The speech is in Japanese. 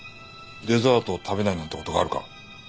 デザートを食べないなんて事があるか？